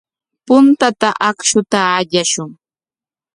Puntata akshuta allashun.